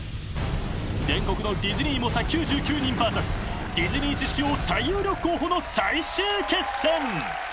［全国のディズニー猛者９９人ＶＳディズニー知識王最有力候補の最終決戦］